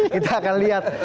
kita akan lihat